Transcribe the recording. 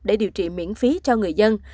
để điều trị miễn phí cho người dân